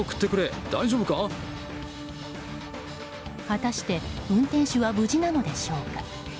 果たして運転手は無事なのでしょうか。